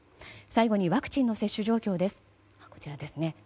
最後にワクチンの接種状況です。